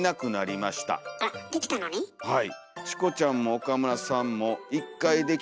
はい。